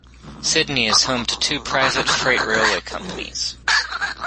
Sydney is home to two private freight railway companies.